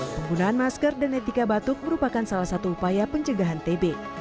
penggunaan masker dan etika batuk merupakan salah satu upaya pencegahan tb